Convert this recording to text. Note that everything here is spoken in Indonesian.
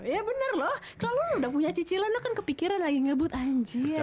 ya bener loh kalau lo udah punya cicilan lo kan kepikiran lagi ngebut anjir